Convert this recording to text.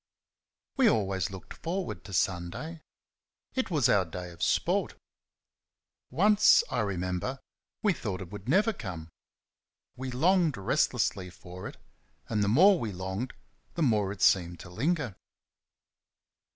We always looked forward to Sunday. It was our day of sport. Once, I remember, we thought it would never come. We longed restlessly for it, and the more we longed the more it seemed to linger.